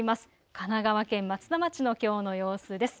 神奈川県松田町のきょうの様子です。